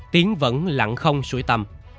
tiến vẫn lặng không sủi tâm